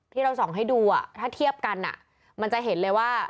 ที่เราส่องให้ดูถ้าเทียบกันมันจะเห็นเลยว่า